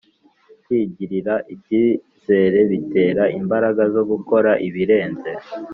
kwigirira icyizere bitera imbaraga zo gukora ibirenze